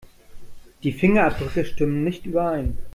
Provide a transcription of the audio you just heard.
Die Fingerabdrücke stimmen nicht überein.